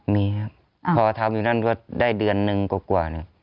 มีครับพอทำอยู่นั่นก็ได้เดือนหนึ่งกว่า